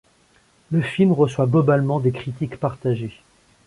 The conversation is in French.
Le film reçoit globalement des critiques partagées.